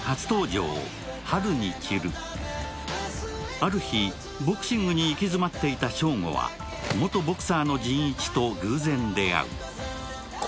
ある日、ボクシングに行き詰まっていた翔吾は元ボクサーの仁一と偶然出会う。